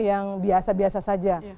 yang biasa biasa saja